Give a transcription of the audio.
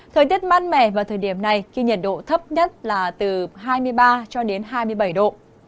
thời tiết mát mẻ vào thời điểm này khi nhiệt độ thấp nhất là từ hai mươi ba cho đến hai mươi bảy độ